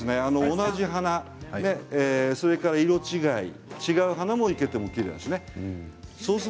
同じ花、色違い違う花を生けてもきれいですね。